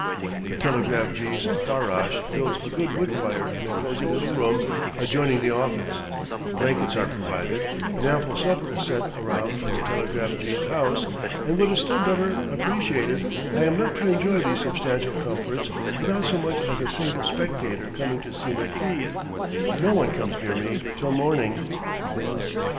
The telegraph jee's farrash builds a good wood fire in a cozy little room adjoining the office; blankets are provided, an ample supper is sent around from the telegraph jee's house, and what is still better appreciated, I am left to enjoy these substantial comforts without so much as a single spectator coming to see me feed; no one comes near me till morning.